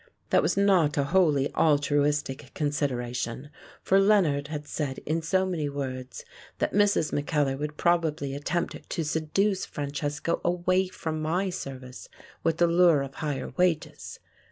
That was not a wholly altruistic consideration, for Leonard had said in so many words that Mrs. Mackellar would probably attempt to seduce Francesco away from my service with the lure of higher wages.